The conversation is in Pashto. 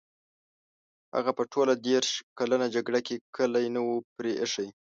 هغه په ټوله دېرش کلنه جګړه کې کلی نه وو پرې ایښی.